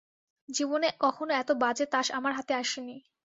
জীবনে কখনো এত বাজে তাস আমার হাতে আসেনি।